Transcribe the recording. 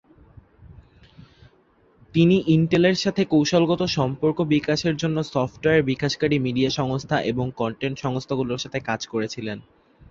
তিনি ইন্টেলের সাথে কৌশলগত সম্পর্ক বিকাশের জন্য সফটওয়্যার বিকাশকারী, মিডিয়া সংস্থা এবং কন্টেন্ট সংস্থাগুলোর সাথে কাজ করেছিলেন।